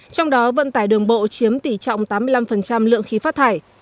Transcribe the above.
trong đó vận tải đường bộ chiếm tỷ trọng tám mươi năm lượng khí phát thải